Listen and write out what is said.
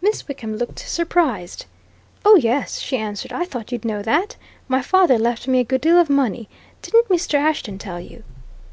Miss Wickham looked surprised. "Oh, yes!" she answered. "I thought you'd know that. My father left me a good deal of money. Didn't Mr. Ashton tell you?"